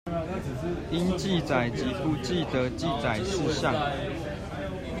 應記載及不得記載事項